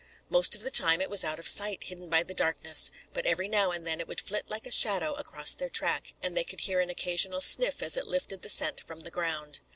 Most of the time it was out of sight, hidden by the darkness, but every now and then it would flit like a shadow across their track, and they could hear an occasional sniff as it lifted the scent from the ground.